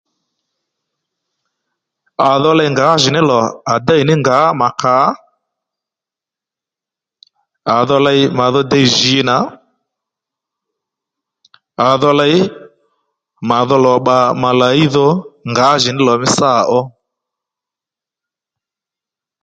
À dho ley ngǎjìní lò à déy ní ngǎ mà kǎ à dho ley màdho dey jǐ nà à dho ley màdho lò bbà mà làyi dho ngǎjìní lò mí sâ ó